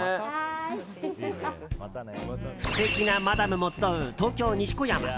素敵なマダムも集う東京・西小山。